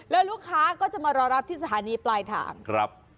แล้วลูกค้าก็จะมารอรับที่สถานีปลายทางครับ